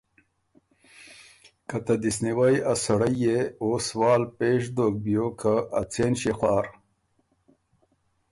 که ته دِست نیوئ ا سړئ يې او سوال پېش دوک بیوک که ا څېن ݭيې خوار؟